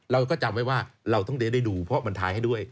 เราก็จำไว้ว่าเราต้องเรียนให้ดูเพราะมันท้ายให้ด้วย